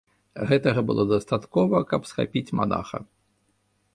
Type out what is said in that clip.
Гэтага было дастаткова, каб схапіць манаха.